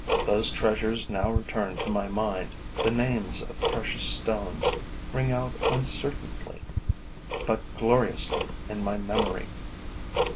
Those treasures now return to my mind: the names of precious stones ring out uncertainly but gloriously in my memory.